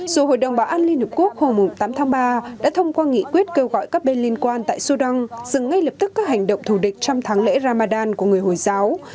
dù hội đồng bảo an liên hợp quốc hôm tám tháng ba đã thông qua nghị quyết kêu gọi các bên liên quan tại sudan dừng ngay lập tức các hành động thù địch trong tháng lễ ramadan của người hồi giáo